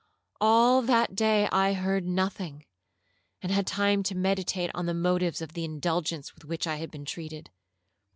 All that day I heard nothing, and had time to meditate on the motives of the indulgence with which I had been treated.